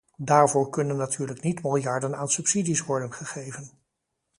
Daarvoor kunnen natuurlijk niet miljarden aan subsidies worden gegeven.